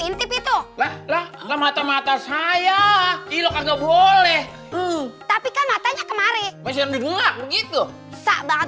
intip itu lah mata mata saya ilok agak boleh tapi kan matanya kemarin mesin di gengak begitu